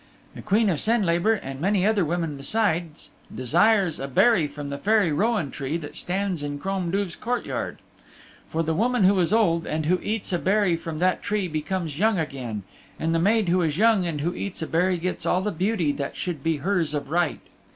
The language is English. The Queen of Senlabor and many another woman besides desires a berry from the Fairy Rowan Tree that stands in Crom Duv's courtyard. For the woman who is old and who eats a berry from that tree becomes young again, and the maid who is young and who eats a berry gets all the beauty that should be hers of right.